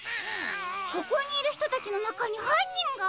ここにいるひとたちのなかにはんにんが？